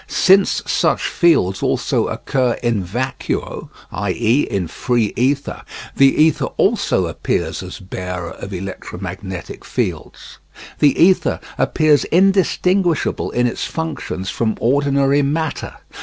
Since such fields also occur in vacuo i.e. in free ether the ether also appears as bearer of electromagnetic fields. The ether appears indistinguishable in its functions from ordinary matter.